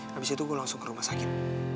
habis itu gue langsung ke rumah sakit